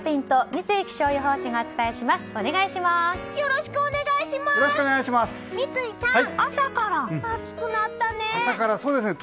三井さん、朝から暑くなったね。